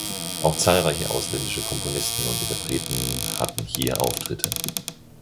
Auch zahlreiche ausländische Komponisten und Interpreten hatten hier Auftritte.